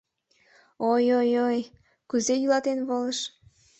Ой-ой-ой, кузе йӱлатен волыш...